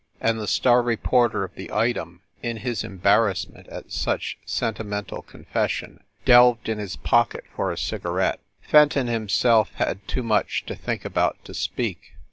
And the star reporter of the Item, in his embarrassment at such sentimental con fession, delved in his pocket for a cigarette. Fenton himself had too much to think about to speak.